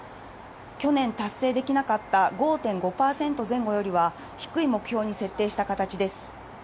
去年達成できなかった５．５％前後よりは低い目標に設定した形です。